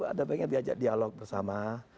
ada baiknya diajak dialog bersama